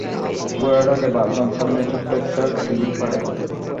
ঘোড়াটাকে বাঁধলাম সামনের ছোট্ট একটা দিঘির পাড়ে।